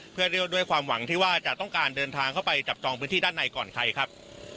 เพื่อเรียกว่าด้วยความหวังที่ว่าจะต้องการเดินทางเข้าไปจับจองพื้นที่ด้านในก่อนใครครับ